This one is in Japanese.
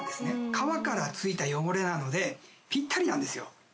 皮から付いた汚れなのでぴったりなんですよ。